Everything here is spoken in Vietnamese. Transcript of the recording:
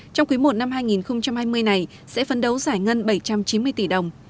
trong quý i năm hai nghìn hai mươi này sẽ phấn đấu giải ngân bảy trăm chín mươi